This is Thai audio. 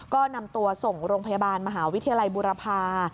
ก็นำตัวส่งโรงพยาบาลมหาวิทยาลัยบุรพา